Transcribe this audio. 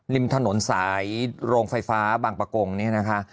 ริมถนนสายโรงไฟฟ้าบางประกงเนี่ยนะคะ